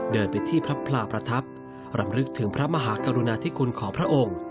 เดินไปที่พระพลาประทับรำลึกถึงพระมหากรุณาธิคุณของพระองค์